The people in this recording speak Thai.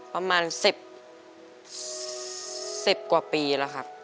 ประมาณ๑๐กว่าปีแล้วครับ